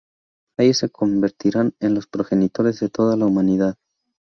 Ellos se convertirían en los progenitores de toda la humanidad.